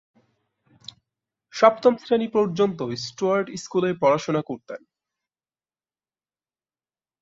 সপ্তম শ্রেণী পর্যন্ত স্টুয়ার্ট স্কুলে পড়াশোনা করতেন।